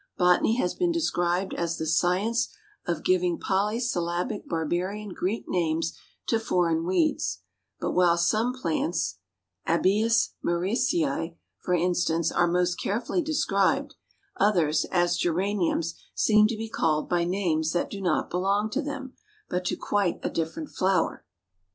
Botany has been described as the 'science of giving polysyllabic barbarian Greek names to foreign weeds;' but while some plants, Abies Mariesii for instance, are most carefully described, others, as Geraniums, seem to be called by names that do not belong to them, but to quite a different flower.